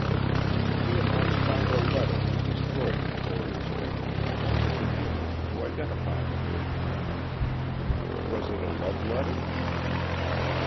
"He had once found a letter, destroyed before it was finished, which enabled him to identify the man." "Was it a love letter?"